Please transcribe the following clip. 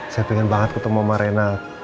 saya pengen banget ketemu sama rina